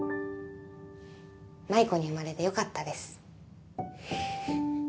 麻衣子に生まれてよかったです。